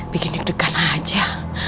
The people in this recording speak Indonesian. bikin deg degan aja